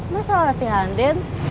masalah latihan dens